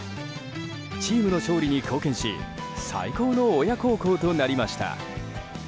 チームの勝利に貢献し最高の親孝行となりました。